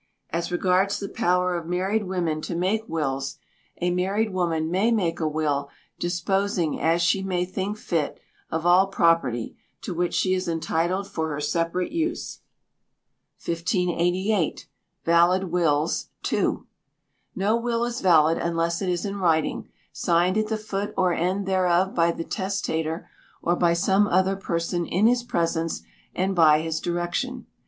As regards the power of married women to make wills, a married woman may make a will, disposing, as she may think fit, of all property to which she is entitled for her separate use. 1588. Valid Wills (2). No will is valid unless it is in writing, signed at the foot or end thereof by the testator, or by some other person in his presence and by his direction.